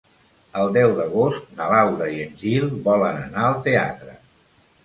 El deu d'agost na Laura i en Gil volen anar al teatre.